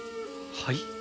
はい？